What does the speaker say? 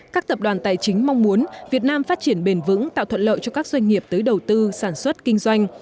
các tập đoàn tài chính mong muốn việt nam phát triển bền vững tạo thuận lợi cho các doanh nghiệp tới đầu tư sản xuất kinh doanh